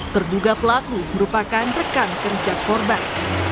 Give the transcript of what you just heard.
terduga pelaku merupakan rekan kerja korban